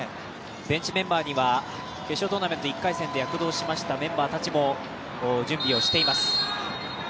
ベンチメンバーには決勝トーナメント１回戦で躍動しましたメンバーたちも準備をしています。